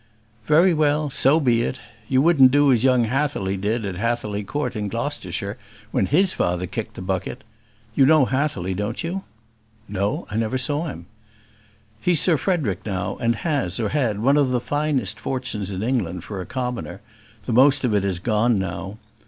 "Very well, so be it. You wouldn't do as young Hatherly did, at Hatherly Court, in Gloucestershire, when his father kicked the bucket. You know Hatherly, don't you?" "No; I never saw him." "He's Sir Frederick now, and has, or had, one of the finest fortunes in England, for a commoner; the most of it is gone now.